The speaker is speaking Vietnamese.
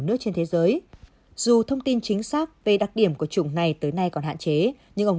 nước trên thế giới dù thông tin chính xác về đặc điểm của chủng này tới nay còn hạn chế nhưng ông